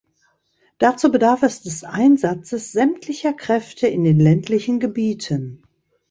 Dazu bedarf es des Einsatzes sämtlicher Kräfte in den ländlichen Gebieten.